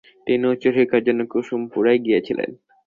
তিনি উচ্চশিক্ষার জন্য কুসুমপুরায় গিয়েছিলেন।